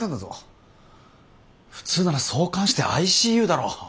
普通なら挿管してＩＣＵだろ。